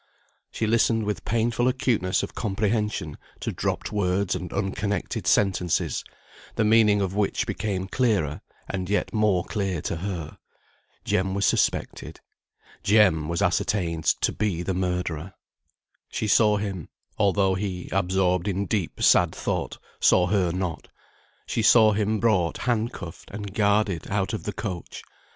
She listened with painful acuteness of comprehension to dropped words and unconnected sentences, the meaning of which became clearer, and yet more clear to her. Jem was suspected. Jem was ascertained to be the murderer. She saw him (although he, absorbed in deep sad thought, saw her not), she saw him brought hand cuffed and guarded out of the coach.